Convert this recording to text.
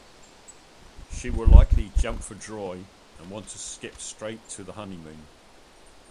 She will likely jump for joy and want to skip straight to the honeymoon.